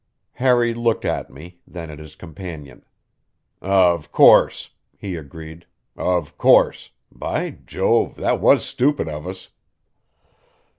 Harry looked at me, then at his companion. "Of course," he agreed "of course. By Jove! that was stupid of us."